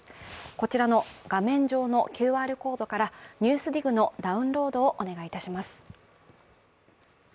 こちらの画面上のＱＲコードから「ＮＥＷＳＤＩＧ」のダウンロードをお願いします。